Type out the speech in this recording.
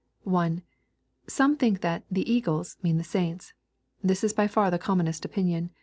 1. Some think that " the eagles" mean the saints. This is by far the commonest opinion.